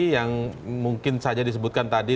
yang mungkin saja disebutkan tadi